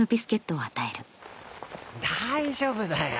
大丈夫だよ！